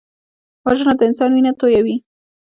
وژنه د انسان وینه تویوي